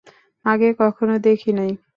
আগে কখনো দেখি নাই।